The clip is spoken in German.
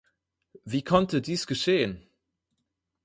Wie konnte dies geschehen?